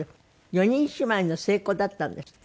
４人姉妹の末っ子だったんですって？